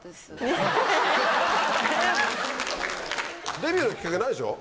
デビューのきっかけないでしょ？